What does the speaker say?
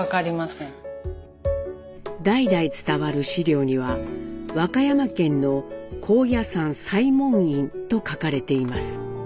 代々伝わる資料には和歌山県の「高野山西門院」と書かれています。